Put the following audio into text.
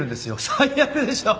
最悪でしょ。